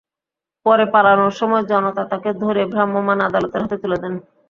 পরে পালানোর সময় জনতা তাঁকে ধরে ভ্রাম্যমাণ আদালতের হাতে তুলে দেন।